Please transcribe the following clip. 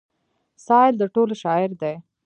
سايل د ټولو شاعر دی.